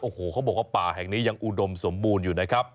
โอ้โหเขาบอกว่าป่าแห่งนี้ยังอุดมสมบูรณ์อยู่นะครับ